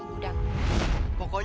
bicara tentang pandemon